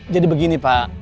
jadi begini pak